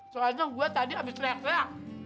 soalnya gua tadi abis rehat rehat